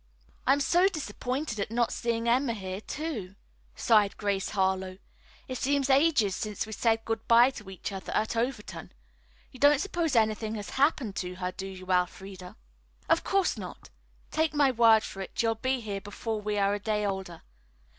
"I am so disappointed at not seeing Emma here, too," sighed Grace Harlowe. "It seems ages since we said good bye to each other at Overton. You don't suppose anything has happened to her, do you, Elfreda?" "Of course not. Take my word for it, she'll be here before we are a day older.